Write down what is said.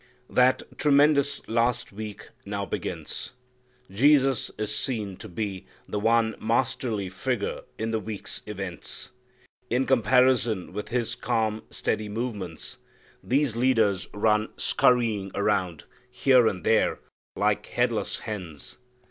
That tremendous last week now begins. Jesus is seen to be the one masterly figure in the week's events. In comparison with His calm steady movements, these leaders run scurrying around, here and there, like headless hens.